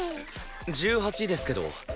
１８ですけど。